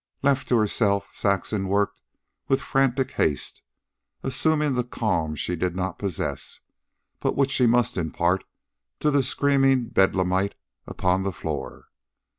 Left to herself, Saxon worked with frantic haste, assuming the calm she did not possess, but which she must impart to the screaming bedlamite upon the floor.